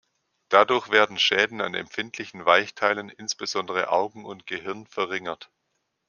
Dadurch werden Schäden an empfindlichen Weichteilen, insbesondere Augen und Gehirn, verringert.